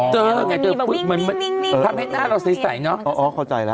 ถ้าเราใส่เนอะอ๋อเข้าใจละ